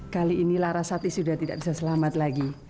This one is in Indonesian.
kali ini larasati sudah tidak bisa selamat lagi